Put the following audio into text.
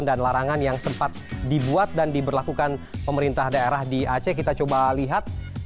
dan juga polisi sharifahihara tablak